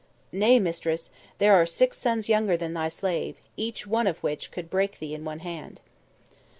"Nay, mistress, there are six sons younger than thy slave, each one of which could break thee in one hand."